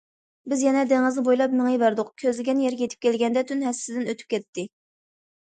بىز يەنە دېڭىزنى بويلاپ مېڭىۋەردۇق، كۆزلىگەن يەرگە يېتىپ كەلگەندە، تۈن ھەسسىسىدىن ئۆتۈپ كەتتى.